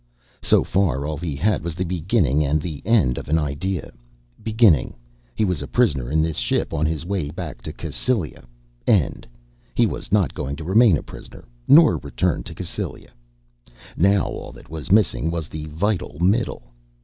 So far all he had was the beginning and the end of an idea. Beginning: He was a prisoner in this ship, on his way back to Cassylia. End: He was not going to remain a prisoner nor return to Cassylia. Now all that was missing was the vital middle.